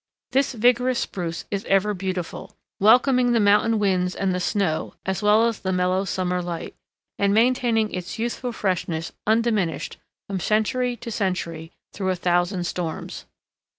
This vigorous spruce is ever beautiful, welcoming the mountain winds and the snow as well as the mellow summer light, and maintaining its youthful freshness undiminished from century to century through a thousand storms.